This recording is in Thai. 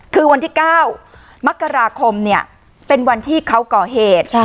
คือวันที่๙มกราคมเนี่ยเป็นวันที่เขาก่อเหตุ